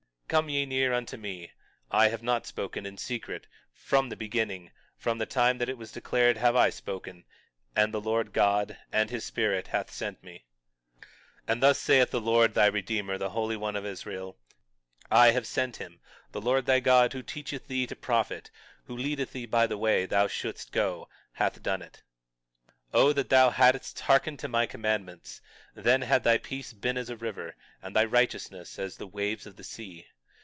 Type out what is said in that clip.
20:16 Come ye near unto me; I have not spoken in secret; from the beginning, from the time that it was declared have I spoken; and the Lord God, and his Spirit, hath sent me. 20:17 And thus saith the Lord, thy Redeemer, the Holy One of Israel; I have sent him, the Lord thy God who teacheth thee to profit, who leadeth thee by the way thou shouldst go, hath done it. 20:18 O that thou hadst hearkened to my commandments—then had thy peace been as a river, and thy righteousness as the waves of the sea.